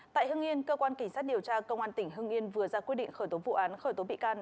tại hưng yên cơ quan kỳ sát điều tra công an tỉnh hưng yên vừa ra quyết định khởi tố vụ án khởi tố bị can